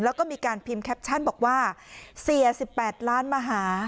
แล้วก็มีการพิมพ์แคปชั่นบอกว่าเสีย๑๘ล้านมาหา